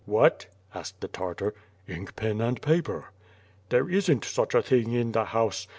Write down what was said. "What?" asked the Tartar. "Ink, pen and paper." "There isn't such a thing in the house.